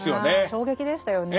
衝撃でしたよね。